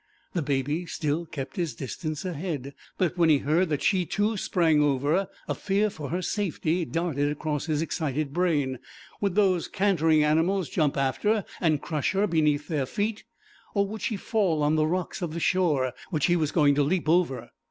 The Baby still kept his distance ahead, but when he heard that she too sprang over, a fear for her safety darted across his excited brain. Would those cantering animals jump after and crush her beneath their feet, or would she fall on the rocks of the shore which he was going to leap over?